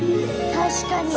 確かに！